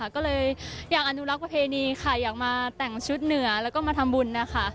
ก็เลยอยากอนุรักษ์ประเพณีค่ะอยากมาแต่งชุดเหนือแล้วก็มาทำบุญนะคะ